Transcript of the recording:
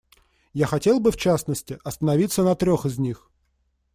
Я хотел бы, в частности, остановиться на трех из них.